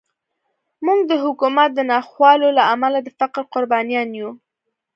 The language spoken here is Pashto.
موږ د حکومت د ناخوالو له امله د فقر قربانیان یو.